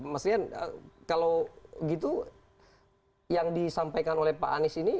mas rian kalau gitu yang disampaikan oleh pak anies ini